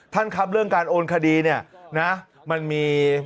ท่านครับเรื่องการโอนคดีเนี่ย